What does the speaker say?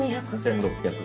１６００。